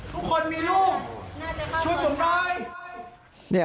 ทุกคนมีลูกช่วยผมล่ะ